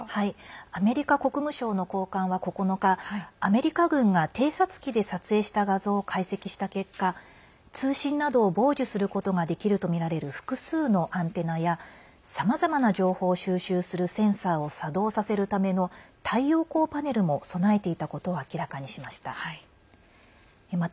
アメリカ国務省の高官は９日アメリカ軍が偵察機で撮影した画像を解析した結果通信などを傍受することができるとみられる複数のアンテナやさまざまな情報を収集するセンサーを作動させるための太陽光パネルも備えていたことを明らかにしました。